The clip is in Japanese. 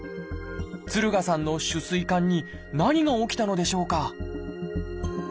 敦賀さんの主膵管に何が起きたのでしょうか？